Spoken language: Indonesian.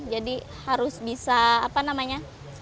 jadi harus bisa apa namanya